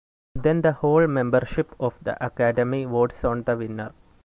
Then the whole membership of the academy votes on the winner.